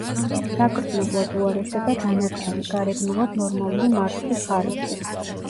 საგრძნობლად უარესდება დანარჩენი, გარეგნულად ნორმალური მარცვლის ხარისხიც.